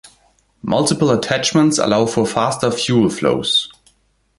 Multiple attachments allow for faster fuel flows.